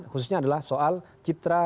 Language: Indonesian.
khususnya adalah soal citra